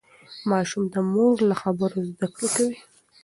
ماشوم د مور له خبرو زده کړه کوي.